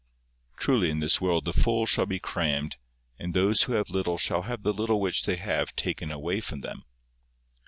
Truly in this world the full shall be crammed, and those who have little shall have the little which they have taken away from them.